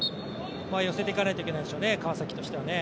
寄せていかないといけないでしょうね、川崎としてはね。